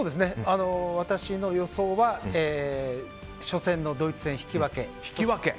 私の予想は初戦のドイツ戦、引き分け。